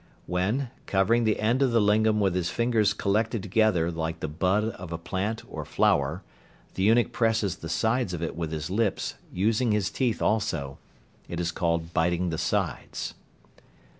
When, covering the end of the lingam with his fingers collected together like the bud of a plant or flower, the eunuch presses the sides of it with his lips, using his teeth also, it is called "biting the sides."